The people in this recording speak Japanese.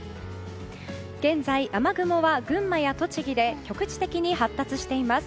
現在、雨雲は群馬や栃木で局地的に発達しています。